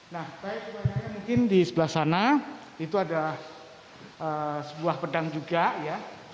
nah baik mbak naya mungkin di sebelah sana itu ada sebuah pedang juga ya